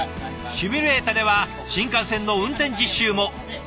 シミュレータでは新幹線の運転実習も。